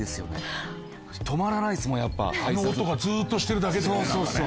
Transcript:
あの音がずっとしてるだけだよねなんかね。